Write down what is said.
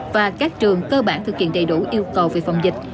và các trường cơ bản thực hiện đầy đủ yêu cầu về phòng dịch